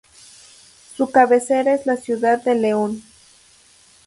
Su cabecera es la ciudad de León.